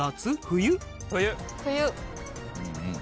冬。